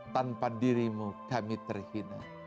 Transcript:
tanpa dirimu kami terhina